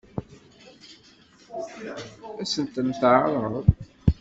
Ad sen-ten-teɛṛeḍ?